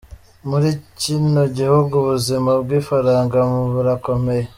Muri kino gihugu ubuzima bw’ifaranga burakomeye.